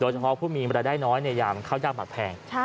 โดยเฉพาะผู้มีเมลดได้น้อยมันเข้ายากกว่าแพง